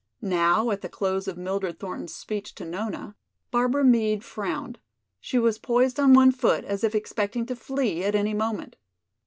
Now at the close of Mildred Thornton's speech to Nona, Barbara Meade frowned. She was poised on one foot as if expecting to flee at any moment.